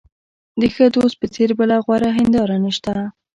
د ښه دوست په څېر بله غوره هنداره نشته.